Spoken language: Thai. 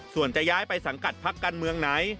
ส่วนจะย้ายไปสังกัดพักการเมืองไหน